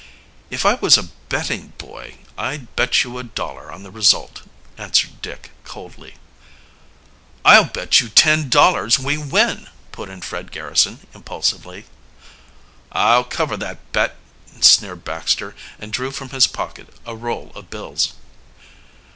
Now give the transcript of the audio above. "If I was a betting boy, I'd bet you a dollar on the result," answered Dick coldly. "I'll bet you ten dollars we win!" put in Fred Garrison impulsively. "I'll cover that bet," sneered Baxter, and drew from his pocket a roll of bills.